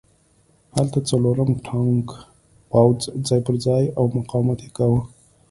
هلته څلورم ټانک پوځ ځای پرځای و او مقاومت یې کاوه